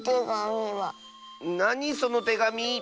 なにそのてがみ？